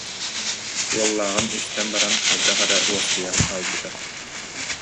Уоллааҕын истэн баран хайдах эрэ уоскуйан хаалбыта